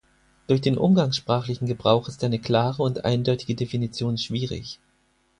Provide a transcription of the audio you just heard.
Durch den umgangssprachlichen Gebrauch ist eine klare und eindeutige Definition schwierig.